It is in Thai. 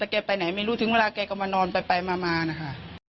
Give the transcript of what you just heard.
แกไปไหนไม่รู้ถึงเวลาแกก็มานอนไปมานะคะ